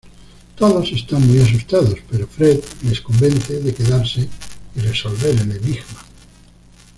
Todos están muy asustados, pero Fred les convence de quedarse y resolver el enigma.